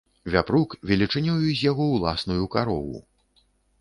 Вяпрук велічынёю з яго ўласную карову.